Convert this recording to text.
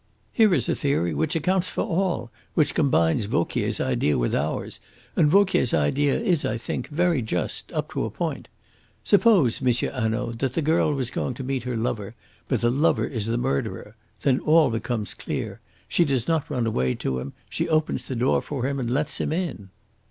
"Here is a theory which accounts for all, which combines Vauquier's idea with ours, and Vauquier's idea is, I think, very just, up to a point. Suppose, M. Hanaud, that the girl was going to meet her lover, but the lover is the murderer. Then all becomes clear. She does not run away to him; she opens the door for him and lets him in."